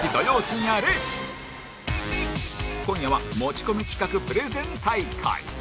今夜は持ち込み企画プレゼン大会